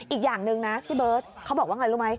อีกอย่างหนึ่งนะพี่เบิร์ตเขาบอกว่าไงรู้ไหม